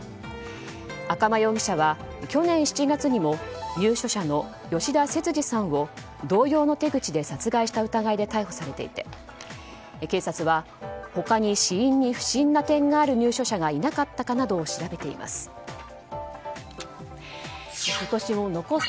赤間容疑者は去年７月にも入所者の吉田節次さんを同様の手口で殺害した疑いで逮捕されていて警察は他に死因に不審な点がある入所者がいなかったかなどを調べています。